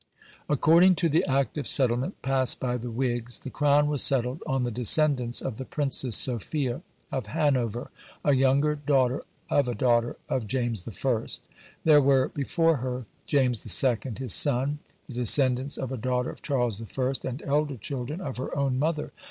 According to the Act of Settlement passed by the Whigs, the crown was settled on the descendants of the "Princess Sophia" of Hanover, a younger daughter of a daughter of James I. There were before her James II., his son, the descendants of a daughter of Charles I., and elder children of her own mother.